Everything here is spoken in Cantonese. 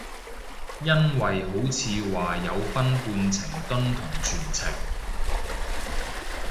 因為好似話有分半程蹲同全程